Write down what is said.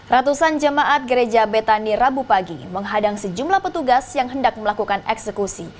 ratusan jemaat gereja betani rabu pagi menghadang sejumlah petugas yang hendak melakukan eksekusi